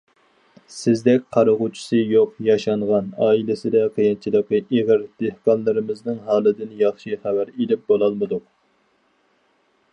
سىزدەك قارىغۇچىسى يوق ياشانغان، ئائىلىسىدە قىيىنچىلىقى ئېغىر دېھقانلىرىمىزنىڭ ھالىدىن ياخشى خەۋەر ئېلىپ بولالمىدۇق.